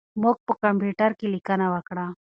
موږ په کمپیوټر کې لیکنه وکړه.